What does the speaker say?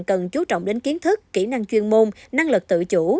cần chú trọng đến kiến thức kỹ năng chuyên môn năng lực tự chủ